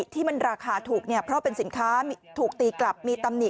ที่มันราคาถูกเพราะเป็นสินค้าถูกตีกลับมีตำหนิ